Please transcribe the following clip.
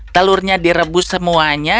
telurnya direbus semuanya